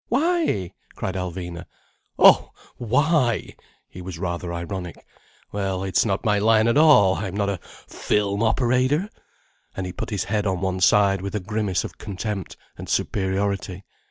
"Why?" cried Alvina. "Oh—why!" He was rather ironic. "Well, it's not my line at all. I'm not a film operator!" And he put his head on one side with a grimace of contempt and superiority.